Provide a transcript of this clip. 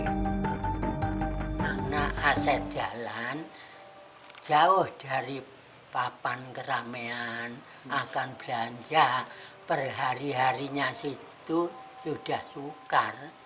nah akses jalan jauh dari papan keramaian akan belanja perhari harinya itu sudah sukar